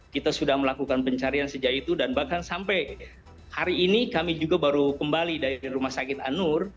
kita sudah melakukan pencarian sejak itu dan bahkan sampai hari ini kami juga baru kembali dari rumah sakit anur